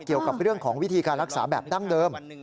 เกี่ยวกับเรื่องของวิธีการรักษาแบบดั้งเดิม